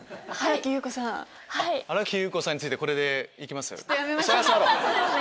新木優子さんについてこれで行きます？